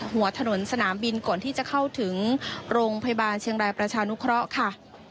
หัวถนนสนามบินก่อนที่จะเข้าถึงโรงพยาบาลเชียงรายประชานุเคราะห์ค่ะ